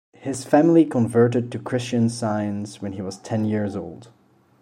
His family converted to Christian Science when he was ten years old.